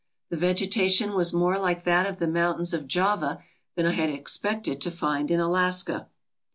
The vegeta tion was more like that of the mountains of Java than I had expected to find in Alaska.